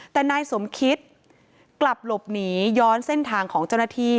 แต่นายสมคิตกลับหลบหนีย้อนเส้นทางของเจ้าหน้าที่